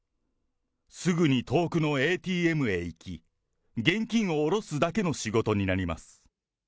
すぐに遠くのＡＴＭへ行き、現金をおろすだけの仕事になります。